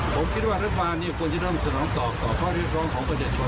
ผมคิดว่ารัฐบาลนี้ควรจะเริ่มสนองตอบต่อข้อเรียกร้องของประชาชน